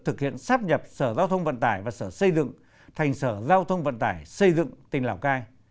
thực hiện sáp nhập sở giao thông vận tải và sở xây dựng thành sở giao thông vận tải xây dựng tỉnh lào cai